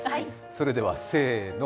それでは、せーの。